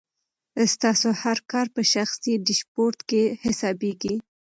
ستاسو هر کار په شخصي ډیشبورډ کې حسابېږي.